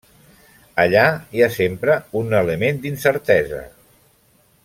Allà hi ha sempre un element d'incertesa.